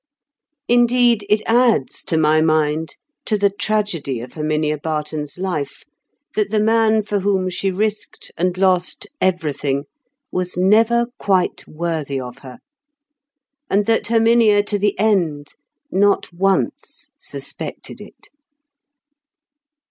Indeed, it adds, to my mind, to the tragedy of Herminia Barton's life that the man for whom she risked and lost everything was never quite worthy of her; and that Herminia to the end not once suspected it.